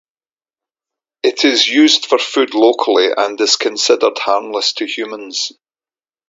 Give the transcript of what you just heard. It is used for food locally and is considered harmless to humans.